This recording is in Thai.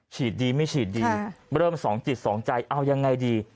ฉีดดีไม่ฉีดดีเริ่มสองจิตสองใจเอายังไงดี